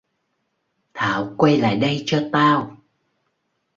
Thảo quay lại đây cho tao